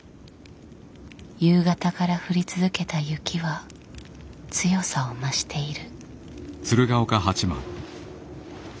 夕方から降り続けた雪は強さを増している。